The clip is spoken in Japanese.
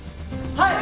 はい！